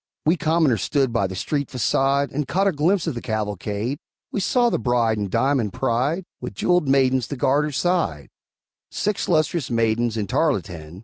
We commoners stood by the street façade, And caught a glimpse of the cavalcade. We saw the bride In diamond pride, With jeweled maidens to guard her side Six lustrous maidens in tarletan.